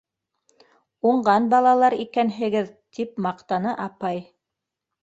Уңған балалар икәнһегеҙ, - тип маҡтаны апай.